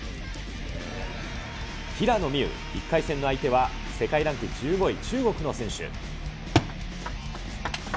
平野美宇、１回戦の相手は、世界ランク１５位、中国の選手。